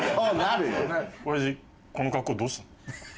おやじこの格好どうしたの？